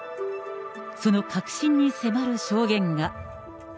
その核心に迫る証言が。